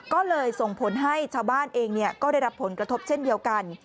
ก็เลยส่งผลให้ชาวบ้านเองก็ได้รับผลกระทบเช่นเดียวกัน